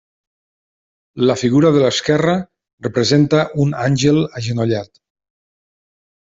La figura de l'esquerra representa un àngel agenollat.